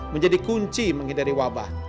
menjadi kunci menghindari wabah